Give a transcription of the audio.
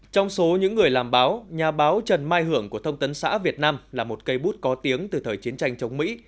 trong số những người làm báo nhà báo trần mai hưởng của thông tấn xã việt nam là một cây bút có tiếng từ thời chiến tranh chống mỹ